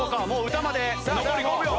歌まで残り５秒。